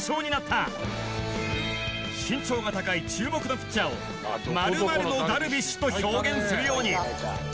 身長が高い注目のピッチャーを○○のダルビッシュと表現するように。